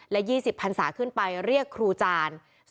และ๒๐พันศาขึ้นไปเรียกครูจาน